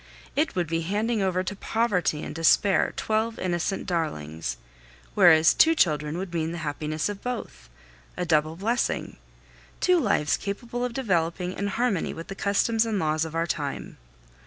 It would be handing over to poverty and despair twelve innocent darlings; whereas two children would mean the happiness of both, a double blessing, two lives capable of developing in harmony with the customs and laws of our time.